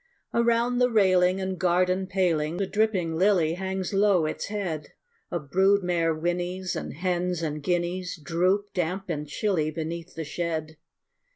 Around the railing and garden paling The dripping lily hangs low its head: A brood mare whinnies; and hens and guineas Droop, damp and chilly, beneath the shed.